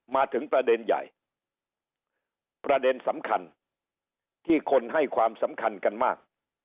มาถึงประเด็นใหญ่ประเด็นสำคัญที่คนให้ความสำคัญกันมาก